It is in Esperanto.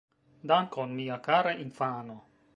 Dankon. Mia kara infano